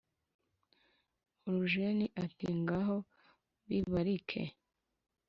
urujeni ati"ngaho bibarike